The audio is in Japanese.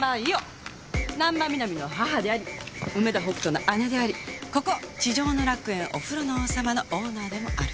難波南の母であり梅田北斗の姉でありここ「地上の楽園おふろの王様」のオーナーでもある。